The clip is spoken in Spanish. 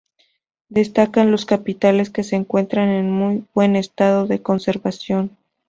Destacan los capiteles que se encuentran en muy buen estado de conservación.